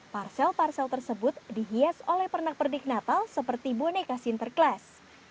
parsel parsel tersebut dihias oleh pernak pernik natal seperti boneka sinterklas